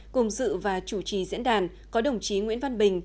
cùng dự và chủ trì diễn đàn có đồng chí nguyễn văn bình